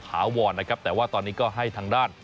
ถาวรนะครับแต่ว่าตอนนี้ก็ให้ทางด้าน